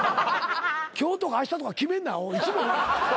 今日とかあしたとか決めんないつもや。